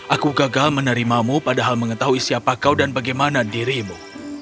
aku gagal menerimamu padahal mengetahui siapa kau dan bagaimana dirimu